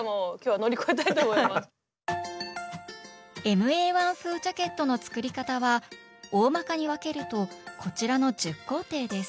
ＭＡ−１風ジャケットの作り方はおおまかに分けるとこちらの１０工程です